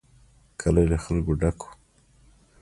کلی له خلکو ډک و.